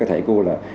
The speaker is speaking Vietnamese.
các thầy cô là